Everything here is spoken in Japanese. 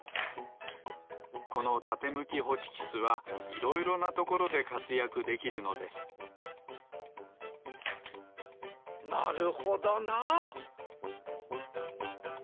このたてむきホチキスはいろいろなところでかつやくできるのですなるほどなあ。